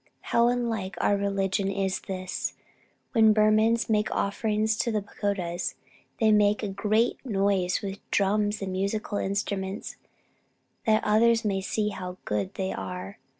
How unlike our religion is this! When Burmans make offerings to the pagodas they make a great noise with drums and musical instruments that others may see how good they are.